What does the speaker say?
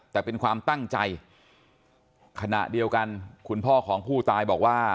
แต่เป็นความตั้งใจขณะเดียวกันคุณพ่อของผู้ตายบอกว่า